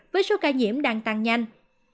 với số ca nhiễm đang tăng nhanh